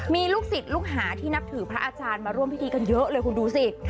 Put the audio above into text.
มีลูกศิษย์ลูกหาที่นับถือพระอาจารย์มาร่วมพิธีกันเยอะเลยคุณดูสิ